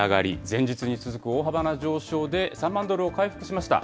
前日に続く大幅な上昇で、３万ドルを回復しました。